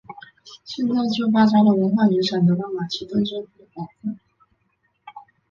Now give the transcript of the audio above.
现在旧巴扎的文化遗产得到马其顿政府的保护。